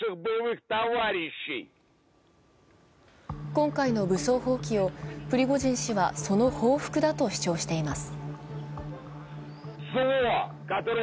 今回の武装蜂起をプリゴジン氏はその報復だと主張しています。